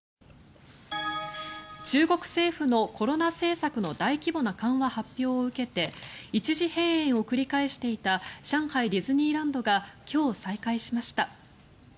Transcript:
中国政府のコロナ政策の大規模な緩和発表を受けて一時閉園を繰り返していた上海ディズニーランドが今日、再開しました。